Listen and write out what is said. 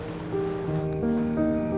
sampai ketemu besok